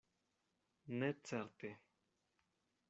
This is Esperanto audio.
Ne certe.